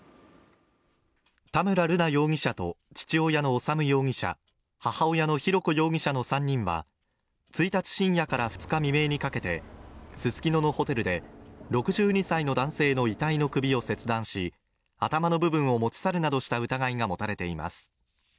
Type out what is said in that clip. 田村瑠奈容疑者と父親の修容疑者母親の浩子容疑者の３人は１日深夜から２日未明にかけてススキノのホテルで６２歳の男性の遺体の首を切断し、頭の部分を持ち去るなどした疑いが持たれています。